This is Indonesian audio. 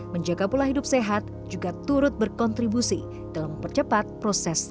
menjaga pola hidup sehat juga turut berkontribusi dalam mempercepat proses